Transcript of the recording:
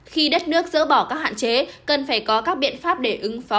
khi đất nước dỡ bỏ các hạn chế cần phải có các biện pháp để ứng phó